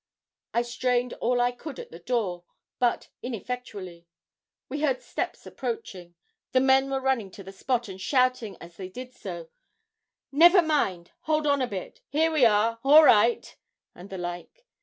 I strained all I could at the door, but ineffectually. We heard steps approaching. The men were running to the spot, and shouting as they did so 'Never mind; hold on a bit; here we are; all right;' and the like.